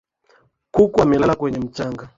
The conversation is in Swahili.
Kuku amelala kwenye mchanga.